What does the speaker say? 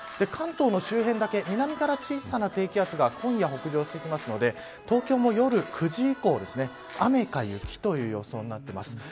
関東の周辺だけ、南から小さな低気圧が今夜、北上してくるので東京も夜９時以降、雨か雪という予想になっています。